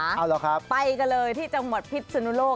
เอาเหรอครับไปกันเลยที่จังหวัดพิษนุโลก